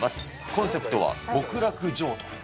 コンセプトは極楽浄土。